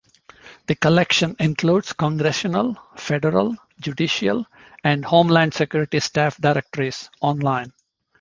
The collection includes Congressional, Federal, Judicial, and Homeland Security Staff Directories online.